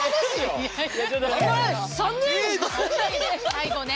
最後ね。